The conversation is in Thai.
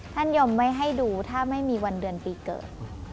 ยมไม่ให้ดูถ้าไม่มีวันเดือนปีเกิด